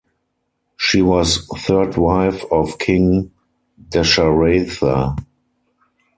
She was third wife of King Dasharatha.